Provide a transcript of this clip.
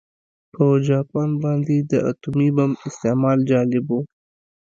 په جاپان باندې د اتومي بم استعمال جالب و